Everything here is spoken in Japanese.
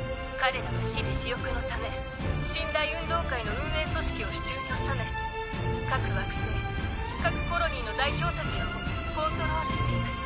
「彼らは私利私欲のため神・大運動会の運営組織を手中に収め各惑星各コロニーの代表たちをもコントロールしています」